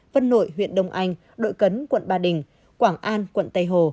vân nội huyện đông anh đội cấn quận ba đình quảng an quận tây hồ